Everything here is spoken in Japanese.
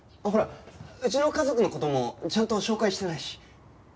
ほらうちの家族の事もちゃんと紹介してないし。